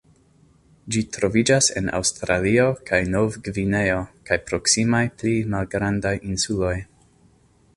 Ĝi troviĝas en Aŭstralio kaj Novgvineo kaj proksimaj pli malgrandaj insuloj.